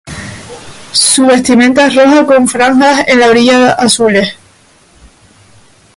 Su vestimenta es roja con franjas en la orilla azules.